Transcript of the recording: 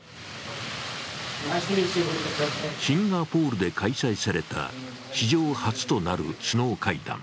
シンガポールで開催された史上初となる首脳会談。